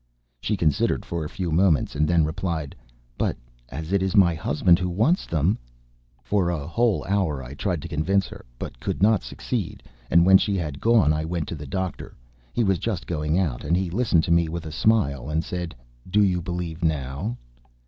She considered for a few moments, and then replied: "But as it is my husband who wants them..." For a whole hour I tried to convince her, but could not succeed, and when she had gone I went to the doctor. He was just going out, and he listened to me with a smile, and said: "Do you believe now?"